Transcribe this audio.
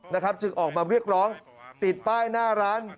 จึงออกมาเรียกร้องติดป้ายหน้าร้าน